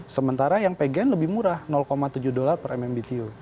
sementara yang pgn lebih murah tujuh dolar per mmbtu